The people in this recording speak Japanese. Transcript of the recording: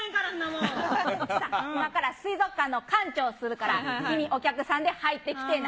うちさ、今から水族館の館長するから、君、お客さんで入ってきてえな。